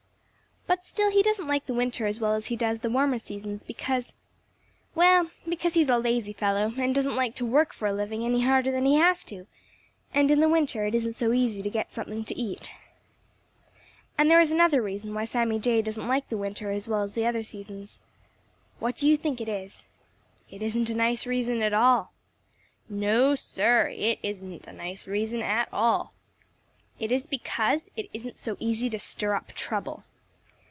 But still he doesn't like the winter as well as he does the warmer seasons because—well, because he is a lazy fellow and doesn't like to work for a living any harder than he has to, and in the winter it isn't so easy to get something to eat. And there is another reason why Sammy Jay doesn't like the winter as well as the other seasons. What do you think it is? It isn't a nice reason at all. No, Sir, it isn't a nice reason at all. It is because it isn't so easy to stir up trouble.